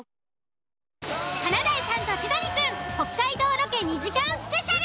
「華大さんと千鳥くん」北海道ロケ２時間スペシャル！